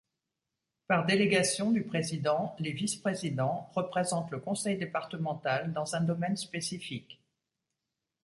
Par délégation du président, les vice-présidents représentent le conseil départemental dans un domaine spécifique.